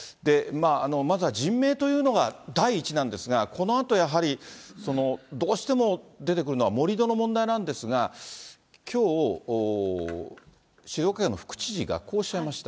まずは人命というのが第一なんですが、このあとやはり、どうしても出てくるのは、盛り土の問題なんですが、きょう、静岡県の副知事がこうおっしゃいました。